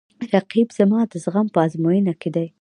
رقیب زما د زغم په ازموینه کې دی